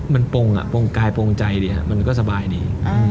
มันโปงอ่ะโปงกายโปงใจดีอ่ะมันก็สบายดี